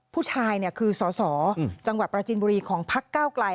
ผู้ชายคือสสจังหวัดปราจินบุรีของพักเก้าไกล